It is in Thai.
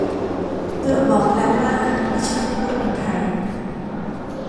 เกือบบอกแล้วว่านิชคุนก็คนไทย